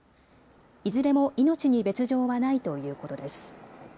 いずれも命に別状はないということです。